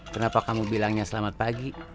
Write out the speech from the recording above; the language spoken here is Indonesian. kenapa kamu bilangnya selamat pagi